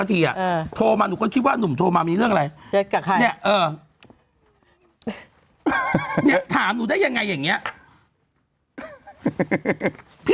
เออพี่เป็นคนรู้หลายหลายเรื่องไงเอาจริงค้นถาม